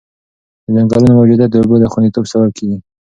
د ځنګلونو موجودیت د اوبو د خونديتوب سبب کېږي.